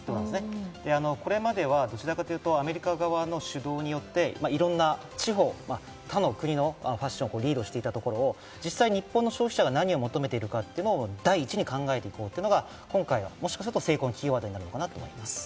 これまではどちらかというとアメリカ側の主導によって、いろんな地方、他の国のファッションをリードしていたところを実際、日本の消費者が何を求めているのかを第一に考えているというのが今回、成功のキーワードになるのかなと思います。